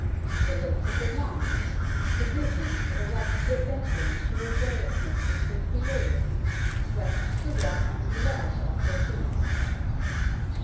The lilt of the lines, the vision of a life of adventure and pure joyousness which they created, swept the raw country lads off their feet.